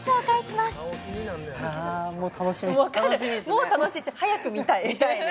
もう楽しいし見たいね